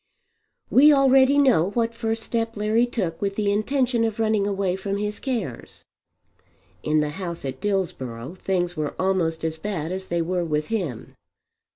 We already know what first step Larry took with the intention of running away from his cares. In the house at Dillsborough things were almost as bad as they were with him.